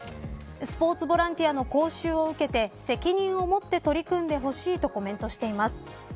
スポーツボランティアの講習を受けて責任を持って取り組んでほしいとコメントしてます。